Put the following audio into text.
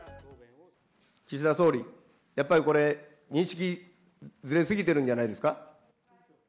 岸田総理、やっぱりこれ、認識ずれ過ぎてるんじゃないですか。